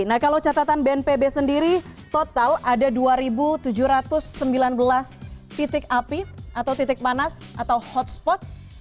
nah kalau catatan bnpb sendiri total ada dua tujuh ratus sembilan belas titik api atau titik panas atau hotspot